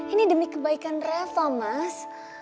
ini demi kebaikan reva mas